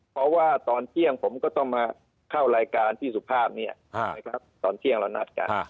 เพราะว่าตอนเที่ยงผมก็ต้องมาเข้ารายการที่สุภาพนะครับ